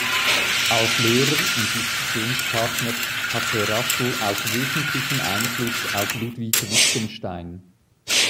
Als Lehrer und Diskussionspartner hatte Russell auch wesentlichen Einfluss auf Ludwig Wittgenstein.